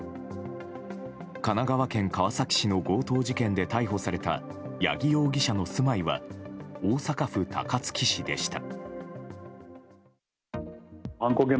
神奈川県川崎市の強盗事件で逮捕された八木容疑者の住まいは大阪府高槻市でした。